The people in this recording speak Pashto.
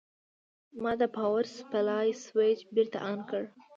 ما د پاور سپلای سویچ بېرته آن کړ.